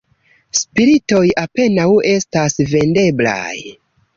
Spiritoj apenaŭ estas vendeblaj.